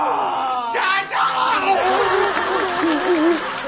社長！